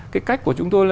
cái cách của chúng tôi